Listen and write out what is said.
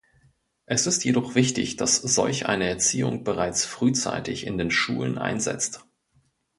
Es ist jedoch wichtig, dass solch eine Erziehung bereits frühzeitig in den Schulen einsetzt.